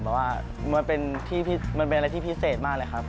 แล้วว่ามันเป็นอะไรที่พิเศษมากเลยครับ